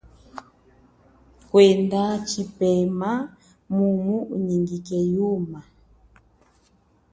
Kwenda tshipema mumu unyike yuma.